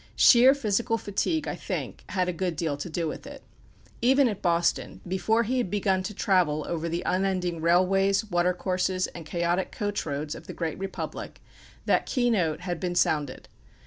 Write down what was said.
Sheer physical fatigue, I think, had a good deal to do with it. Even at Boston, before he had begun to travel over the unending railways, water courses, and chaotic coach roads of the great Republic, that key note had been sounded.